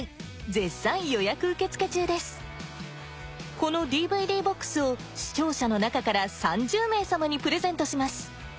この ＤＶＤ−ＢＯＸ を視聴者の中から３０名様にプレゼントします